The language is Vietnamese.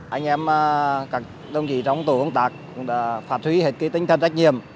anh em các đồng chí trong tổ công tác đã phát huy hết tinh thần trách nhiệm